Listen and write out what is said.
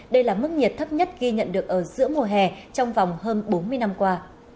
đây là mức nhiệt thấp nhất ghi nhận được ở giữa mùa hè trong vòng hơn bốn mươi năm qua